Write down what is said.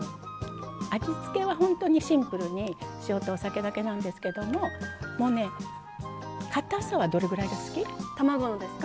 味付けはほんとにシンプルに塩とお酒だけなんですけどももうねかたさはどれぐらいが好き？卵のですか？